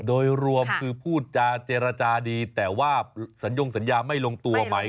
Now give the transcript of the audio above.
โดยรวมคือพูดจาเจรจาดีแต่ว่าสัญญงสัญญาไม่ลงตัวไหม